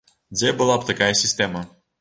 Дзе была б такая сістэма.